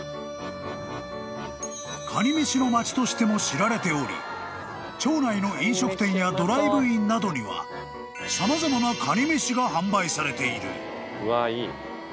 ［かにめしの町としても知られており町内の飲食店やドライブインなどには様々なかにめしが販売されている］